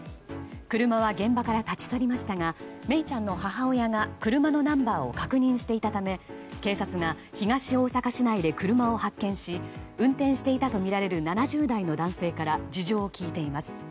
車は現場から立ち去りましたが愛李ちゃんの母親が車のナンバーを確認していたため警察が東大阪市内で車を発見し運転していたとみられる７０代の男性から事情を聴いています。